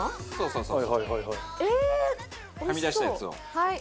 そうそう！